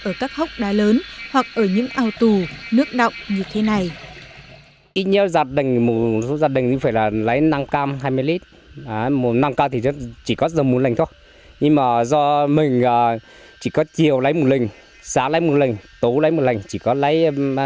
ở các hốc đá lớn hoặc ở những ao tù nước động như thế này